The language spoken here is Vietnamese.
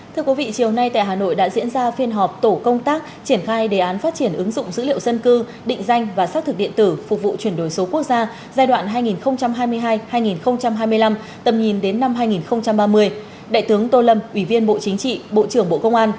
thưa quý vị chiều nay tại hà nội đã diễn ra phiên họp tổ công tác triển khai đề án phát triển ứng dụng dữ liệu dân cư định danh và xác thực điện tử phục vụ chuyển đổi số quốc gia giai đoạn hai nghìn hai mươi hai hai nghìn hai mươi năm tầm nhìn đến năm hai nghìn ba mươi